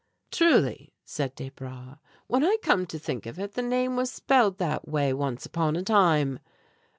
"Truly," said Desbra, "when I come to think of it, the name was spelled that way once upon a time!"